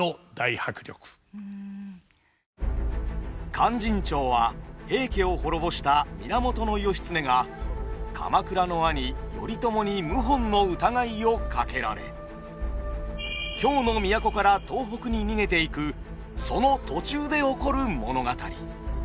「勧進帳」は平家を滅ぼした源義経が鎌倉の兄頼朝に謀反の疑いをかけられ京の都から東北に逃げていくその途中で起こる物語。